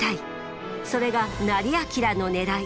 それが斉彬のねらい。